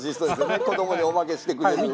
子どもにおまけしてくれる。